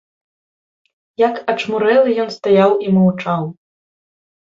Як ачмурэлы ён стаяў і маўчаў.